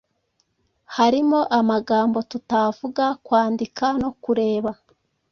harimo amagambo, tutavuga, kwandika no kureba